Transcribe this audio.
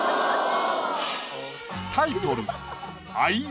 タイトル